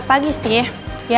pagi sih ya